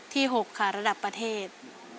๖ค่ะระดับประเทศ